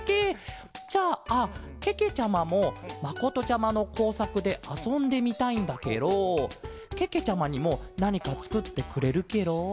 じゃあけけちゃまもまことちゃまのこうさくであそんでみたいんだケロけけちゃまにもなにかつくってくれるケロ？